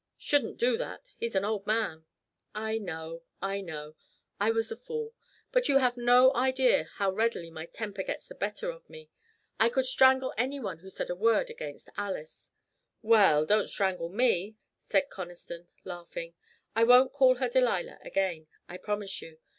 "Shouldn't do that. He's an old man." "I know I know. I was a fool. But you have no idea how readily my temper gets the better of me. I could strangle anyone who said a word against my Alice." "Well, don't strangle me," said Conniston, laughing. "I won't call her Delilah again, I promise you.